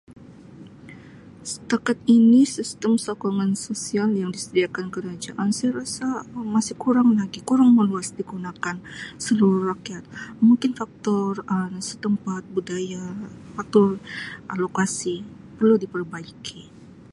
Setakat ini sistem sokongan sosial yang disediakan kerajaan saya rasa masih kurang lagi kurang meluas digunakan seluruh rakyat mungkin faktor Um setempat, budaya faktor lokasi perlu diperbaiki.